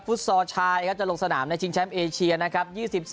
ตลชายครับจะลงสนามในชิงแชมป์เอเชียนะครับ